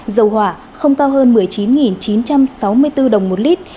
dầu hỏa không cao hơn một mươi chín chín trăm sáu mươi bốn đồng một lít